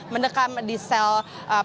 menekam di sel pantai mutiara